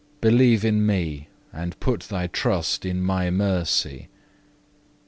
Believe in Me, and put thy trust in My mercy.